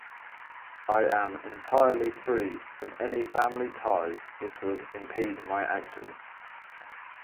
I am entirely free from any family ties which would impede my action.